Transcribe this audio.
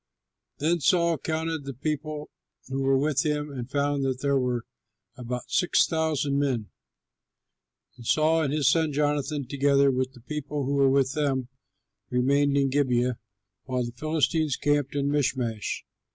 Then Saul counted the people who were with him and found that there were about six hundred men. And Saul and his son Jonathan, together with the people who were with them, remained in Gibeah, while the Philistines camped in Michmash.